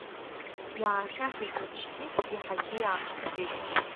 Иаахьаҳәит лыбжьгьы, иаҳагьы иааԥшӡахеит.